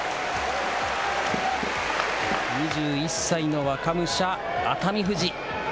２１歳の若武者、熱海富士。